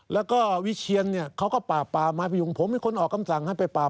แล้วก็วิเชียนเนี่ยเค้าก็ป่ามาบิหยุงผมมีคนออกกำสั่งให้ไปป่า